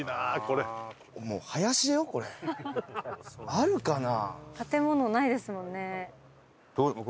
あるかな？